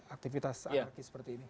aktivitas anarki seperti ini